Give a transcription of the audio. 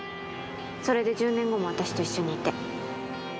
それで１０年後も私と一緒にいて。